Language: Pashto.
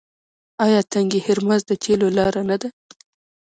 آیا تنګی هرمز د تیلو لاره نه ده؟